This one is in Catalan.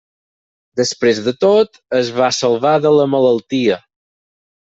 Després de tot, es va salvar de la malaltia.